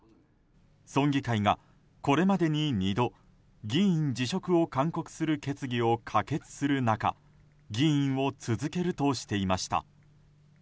村議会が、これまでに２度議員辞職を勧告する決議を可決する中議員を続けるとしていました。